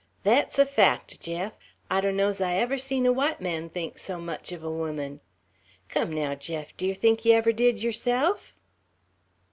Thet's a fact, Jeff. I donno's ever I see a white man think so much uv a woman; come, naow, Jeff, d' yer think yer ever did yerself?"